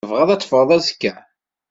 Tebɣiḍ ad teffɣeḍ azekka?